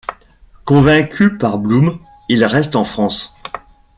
Convaincu par Blum, il reste en France.